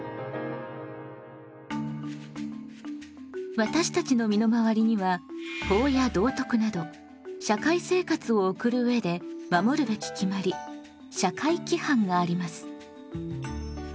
私たちの身の回りには法や道徳など社会生活をおくるうえで守るべき決まり社会規範があります。